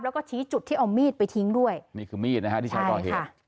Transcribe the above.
แล้วก็ชี้จุดที่เอามีดไปทิ้งด้วยนี่คือมีดนะฮะที่ใช้ก่อเหตุ